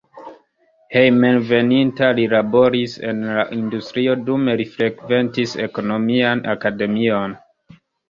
Hejmenveninta li laboris en la industrio, dume li frekventis ekonomian akademion.